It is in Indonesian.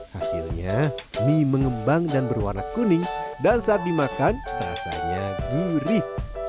hasilnya mie mengembang dan berwarna kuning dan saat dimakan rasanya gurih